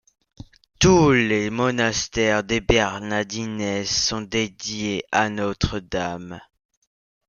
Tous les monastères des Bernardines sont dédiés à Notre-Dame.